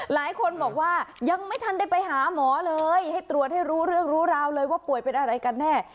หลายคนบอกว่ายังไม่ทันได้ไปหาหมอเลยให้ตรวจให้รู้เรื่องรู้ราวเลยว่าป่วยเป็นอะไรกันแน่